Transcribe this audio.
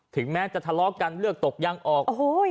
ถึงแม้จะทะเลาะกันเลือดตกย่างออกโอ้โหย